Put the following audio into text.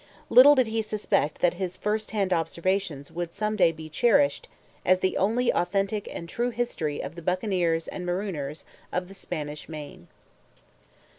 Little did he suspect that his first hand observations would some day be cherished as the only authentic and true history of the Buccaneers and Marooners of the Spanish Main.